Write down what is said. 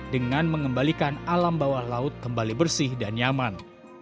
dengan mengembalikan alam bawah laut kembali bersih dan nyaman